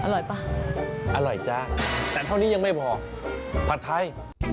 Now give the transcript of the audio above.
อร่อยป่ะอร่อยจ้าแต่เท่านี้ยังไม่พอผัดไทย